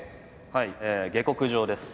はい「下克上」です。